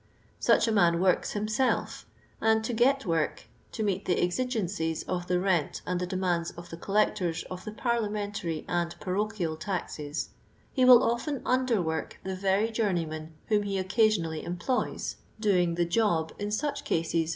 Such a man works himself, and to get work, to meet the exi gences of the rent and the demands of the collec tors of the parliamentary and parochial taxes, he will often underwork the very journeymen whom he occasionally employs, doing " the job" in such \ LOXDOX LAHOrn AXD TIIEJ.